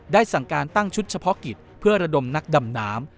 สั่งการตั้งชุดเฉพาะกิจเพื่อระดมนักดำน้ำ